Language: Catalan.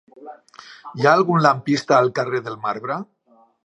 Hi ha algun lampista al carrer del Marbre?